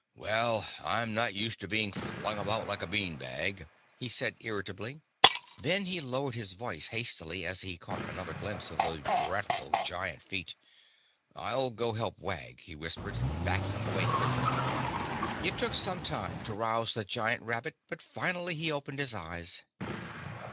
"Well, I'm not used to being flung about like a bean bag," he said irritably. Then he lowered his voice hastily, as he caught another glimpse of those dreadful giant feet. "I'll go help Wag," he whispered, backing away quickly. It took some time to rouse the giant rabbit, but finally he opened his eyes.